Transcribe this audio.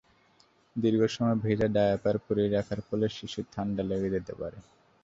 দীর্ঘ সময় ভেজা ডায়াপার পরিয়ে রাখার ফলে শিশুর ঠান্ডা লেগে যেতে পারে।